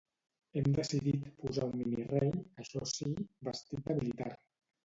Hem decidit posar un mini-rei, això sí, vestit de militar.